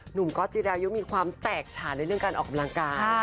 ก๊อตจิรายุมีความแตกฉานในเรื่องการออกกำลังกาย